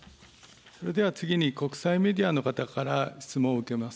それでは次に国際メディアの方から質問を受けます。